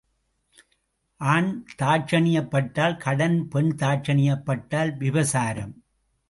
ஆண் தாட்சண்யப் பட்டால் கடன் பெண் தாட்சண்யப் பட்டால் விபசாரம்.